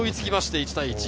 １対１。